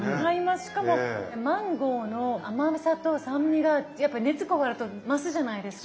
しかもマンゴーの甘さと酸味がやっぱり熱加わると増すじゃないですか。